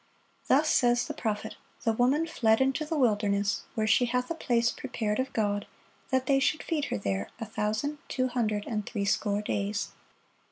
Thus says the prophet: "The woman fled into the wilderness, where she hath a place prepared of God, that they should feed her there a thousand two hundred and threescore days."